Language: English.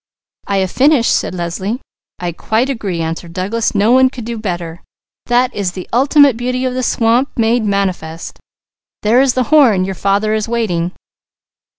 "I have finished," said Leslie. "I quite agree," answered Douglas. "No one could do better. That is the ultimate beauty of the swamp made manifest. There is the horn! Your father is waiting."